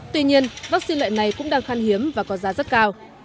tuy nhiên vaccine loại này cũng đang khan hiếm và có giá rất cao